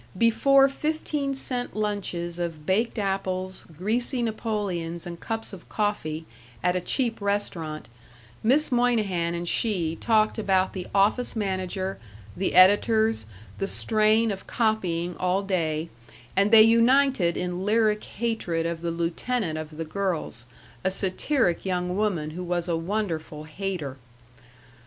Before fifteen cent lunches of baked apples, greasy Napoleons, and cups of coffee, at a cheap restaurant, Miss Moynihan and she talked about the office manager, the editors, the strain of copying all day, and they united in lyric hatred of the lieutenant of the girls, a satiric young woman who was a wonderful hater.